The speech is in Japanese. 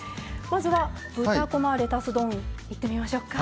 まずは豚こまレタス丼いってみましょうか。